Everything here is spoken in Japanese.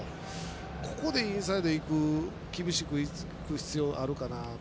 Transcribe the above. ここでインサイド厳しくいく必要あるかなって。